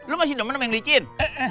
lo masih temen sama yang licin